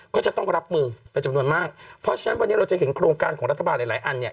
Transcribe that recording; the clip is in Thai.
ก็จะต้องรับมือเป็นจำนวนมากเพราะฉะนั้นวันนี้เราจะเห็นโครงการของรัฐบาลหลายหลายอันเนี่ย